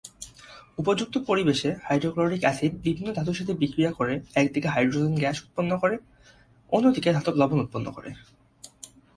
উপযুক্ত পরিবেশে hydrochloric acid বিভিন্ন ধাতুর সঙ্গে বিক্রিয়া করে একদিকে হাইড্রোজেন গ্যাস উৎপন্ন করে অন্যদিকে ধাতব লবণ উৎপন্ন করে।